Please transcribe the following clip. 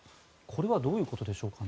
これはどういうことでしょうか。